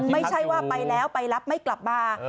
ไม่ใช่ว่าไปแล้วไปรับไม่กลับมา